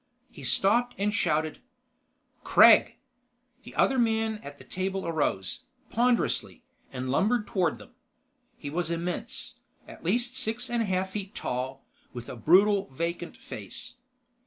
He stopped and shouted: "Kregg!" The other man at the table arose, ponderously, and lumbered toward them. He was immense, at least six and a half feet tall, with a brutal, vacant face.